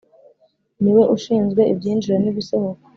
Niwe ushizwe ibyinjira nibisohoka